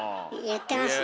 言ってます。